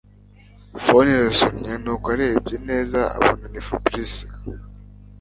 phone irasonye nuko arebye neza abona ni Fabric